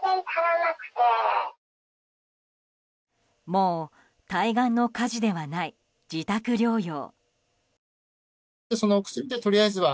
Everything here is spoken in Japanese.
もう対岸の火事ではない自宅療養。